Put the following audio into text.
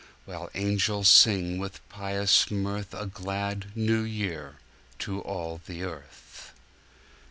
While angels sing with pious mirthA glad New Year to all the earth.